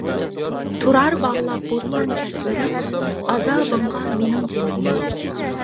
تۇرار باغلاپ بوستان چاچلىرىڭ، ئازابىڭغا مىنىڭ جىنىمنى.